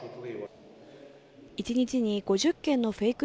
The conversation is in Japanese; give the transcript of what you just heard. １日に５０件のフェイク